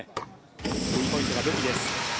スリーポイントが武器です。